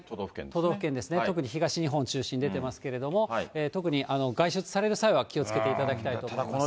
都道府県ですね、特に東日本を中心に出てますけど、特に外出される際は気をつけていただきたいなと思います。